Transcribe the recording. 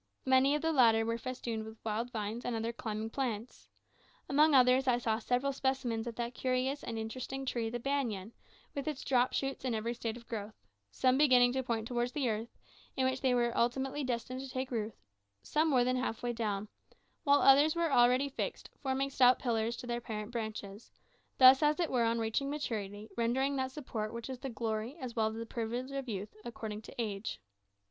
Many of the latter were festooned with wild vines and other climbing plants. Among others, I saw several specimens of that curious and interesting tree the banyan, with its drop shoots in every state of growth some beginning to point towards the earth, in which they were ultimately destined to take root; some more than half way down; while others were already fixed, forming stout pillars to their parent branches thus, as it were, on reaching maturity, rendering that support which it is the glory as well as the privilege of youth to accord to age.